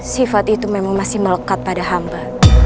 sifat itu memang masih melekat pada hamba